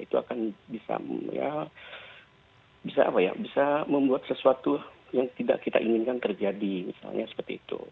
itu akan bisa bisa apa ya bisa membuat sesuatu yang tidak kita inginkan terjadi misalnya seperti itu